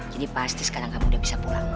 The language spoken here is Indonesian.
jadi pasti sekarang kamu udah bisa pulang